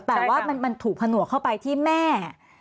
แต่ว่ามันถูกผนวกเข้าไปที่แม่